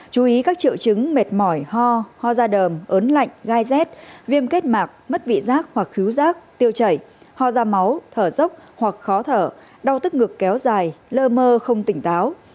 chú ý các triệu chứng mệt mỏi ho ho da đờm ớn lạnh gai rét viêm kết mạc mất vị giác hoặc cứu rác tiêu chảy ho da máu thở dốc hoặc khó thở đau tức ngực kéo dài lơ mơ không tỉnh táo